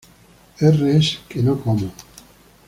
R-Es que no como.